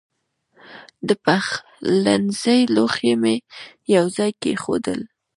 د پخلنځي لوښي مې یو ځای کېښودل.